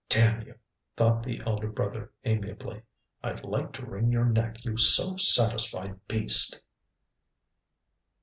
"Damn you!" thought the elder brother amiably. "I'd like to wring your neck, you self satisfied beast."